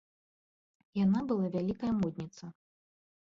Яна была вялікая модніца.